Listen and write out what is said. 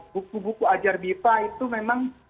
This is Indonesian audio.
buku buku ajar bipa itu memang